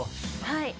はい。